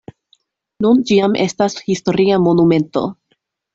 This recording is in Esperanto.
Nun ĝi jam estas historia monumento.